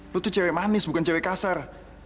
lo tuh cewek manis bukan cewek kasar